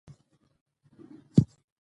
شفيق به په د کار سخته سزا وګوري.